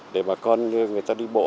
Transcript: để bà con người ta đi bộ